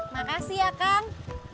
makasih ya kang